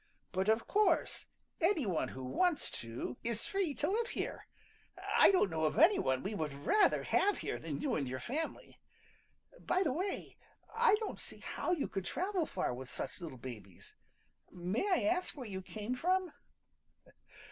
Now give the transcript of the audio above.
But of course any one who wants to is free to live here. I don't know of any one we would rather have here than you and your family. By the way, I don't see how you could travel far with such little babies. May I ask where you came from?"